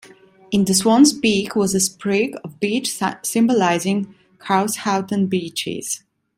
In the swan's beak was a sprig of beech symbolising Carshalton Beeches.